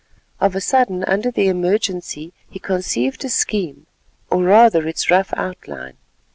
Of a sudden under the emergency he conceived a scheme, or rather its rough outline.